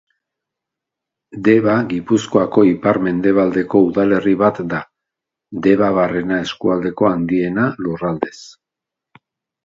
Deba Gipuzkoako ipar-mendebaldeko udalerri bat da, Debabarrena eskualdeko handiena, lurraldez.